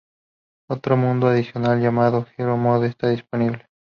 Otro modo adicional llamado "Hero Mode" está disponible.